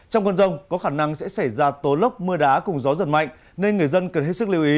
trong con rông có khả năng sẽ xảy ra tố lốc mưa đá cùng gió giật mạnh